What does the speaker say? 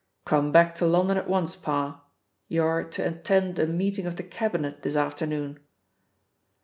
"Come back to London at once, Parr; you are to attend a meeting of the Cabinet this afternoon."